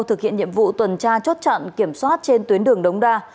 thực hiện nhiệm vụ tuần tra chốt chặn kiểm soát trên tuyến đường đống đa